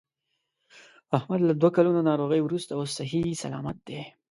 احمد له دوه کلونو ناروغۍ ورسته اوس صحیح صلامت دی.